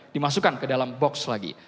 dimasukkan ke dalam box lagi